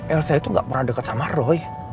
elsa itu gak pernah dekat sama roy